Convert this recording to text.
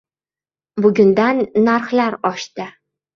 Bugundan narxlar oshdi